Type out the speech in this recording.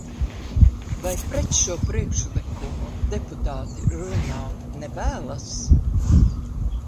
"Vai "pret" šo priekšlikumu deputāti runāt nevēlas?"